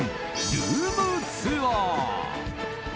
ルームツアー！